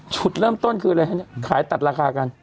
จุดเริ่มต้นคืออะไรฮะเนี่ยขายตัดราคากัน